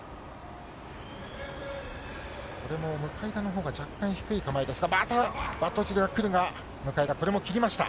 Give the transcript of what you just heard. これも向田のほうが若干低い構えですが、バットオチルが来るが、向田、これも切りました。